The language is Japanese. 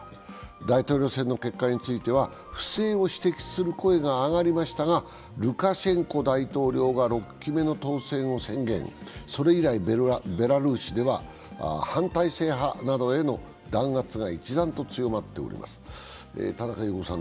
大統領選の結果については不正を指摘する声が上がりましたがルカシェンコ大統領が６期目の当選を宣言、それ以来ベラルーシでは反体制派などへの弾圧が一段と強まっております。